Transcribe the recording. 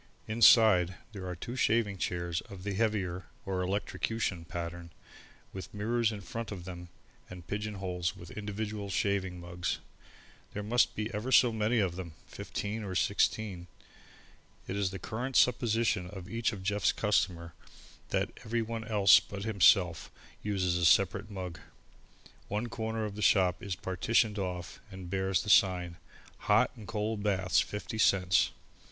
Inside, there are two shaving chairs of the heavier, or electrocution pattern, with mirrors in front of them and pigeon holes with individual shaving mugs. There must be ever so many of them, fifteen or sixteen. It is the current supposition of each of Jeff's customers that everyone else but himself uses a separate mug. One corner of the shop is partitioned off and bears the sign: HOT AND COLD BATHS, 50 CENTS.